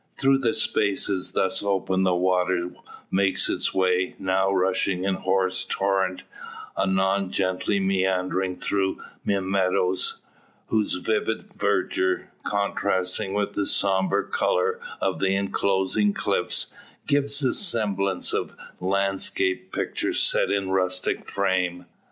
Through the spaces thus opened the water makes its way, now rushing in hoarse torrent, anon gently meandering through meadows, whose vivid verdure, contrasting with the sombre colour of the enclosing cliffs, gives the semblance of landscape pictures set in rustic frame.